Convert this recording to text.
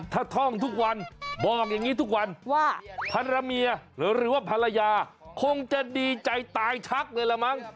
ถ้าท่องทุกวันบอกอย่างนี้ทุกวันว่าภรรเมียหรือว่าภรรยาคงจะดีใจตายชักเลยละมั้ง